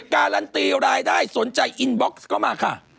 การันตีรายได้สนใจอินบ็อกซ์ก็มาค่ะ